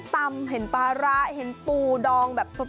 อยากทานส้มตำเห็นปลาระเห็นปูดองแบบสด